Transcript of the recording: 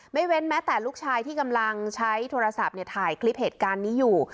เว้นแม้แต่ลูกชายที่กำลังใช้โทรศัพท์ถ่ายคลิปเหตุการณ์นี้อยู่